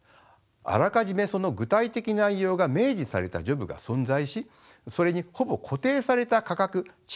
あらかじめその具体的内容が明示されたジョブが存在しそれにほぼ固定された価格賃金がつけられています。